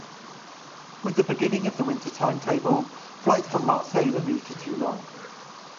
With the beginning of the winter timetable, flights from Marseille were moved to Toulon.